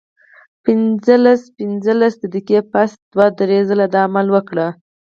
پنځلس پنځلس منټه پس دې دوه درې ځله دا عمل وکړي